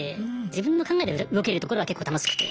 自分の考えで動けるところは結構楽しくて。